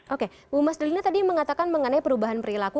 oke bu mas delina tadi mengatakan mengenai perubahan perilaku